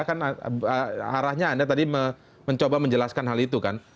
karena arahnya anda tadi mencoba menjelaskan hal itu kan